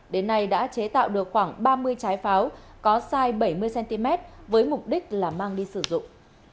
đến nay đã chế tạo được khoảng ba mươi trái pháo có sai bảy mươi cm với mục đích là mang đi sử dụng